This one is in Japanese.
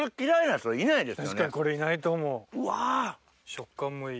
食感もいい。